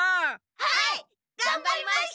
はいがんばりました！